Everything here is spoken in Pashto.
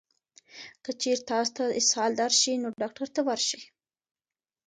که چېرې تاسو ته اسهال درشي، نو ډاکټر ته ورشئ.